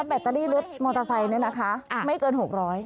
แบตเตอรี่รถมอเตอร์ไซค์เนี่ยนะคะไม่เกิน๖๐๐บาท